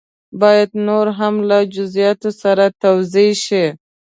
باید نور هم له جزیاتو سره توضیح شي.